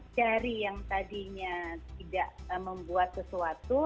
cari yang tadinya tidak membuat sesuatu